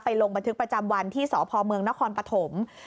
ลงบันทึกประจำวันที่สพเมืองนครปฐม